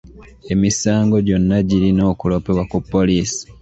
Emisango gyonna girina okuloopebwa ku poliisi.